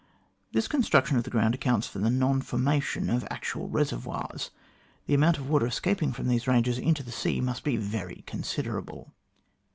This construction of the ground accounts for the non formation of actual reservoirs. The amount of water escaping from these ranges into the sea must be very considerable."